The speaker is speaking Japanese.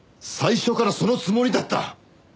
最初からそのつもりだった！？